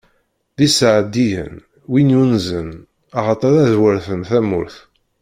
D iseɛdiyen, wid yunzen, axaṭer ad weṛten tamurt!